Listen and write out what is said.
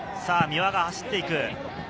三輪が走っていく。